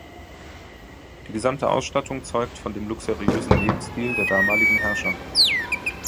Die gesamte Ausstattung zeugt von dem luxuriösen Lebensstil der damaligen Herrscher.